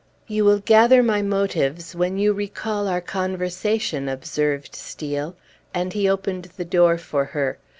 "You will gather my motives when you recall our conversation," observed Steel; and he opened the door for her.